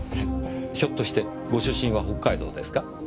ひょっとしてご出身は北海道ですか？